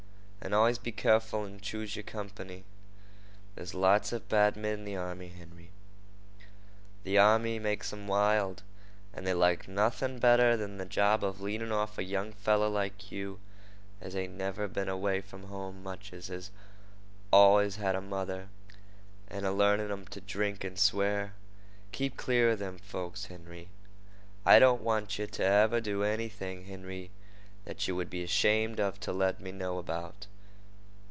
"An' allus be careful an' choose yer comp'ny. There's lots of bad men in the army, Henry. The army makes 'em wild, and they like nothing better than the job of leading off a young feller like you, as ain't never been away from home much and has allus had a mother, an' a learning 'em to drink and swear. Keep clear of them folks, Henry. I don't want yeh to ever do anything, Henry, that yeh would be 'shamed to let me know about.